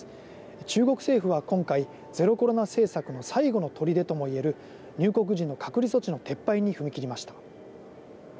中国政府は今回ゼロコロナ政策の最後のとりでともいえる入国時の隔離措置の撤廃に踏み切りました。